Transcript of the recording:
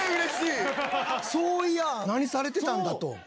そういやあ何されてたんだと。